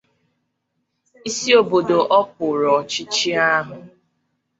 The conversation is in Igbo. isi obodo okpuru ọchịchị ahụ.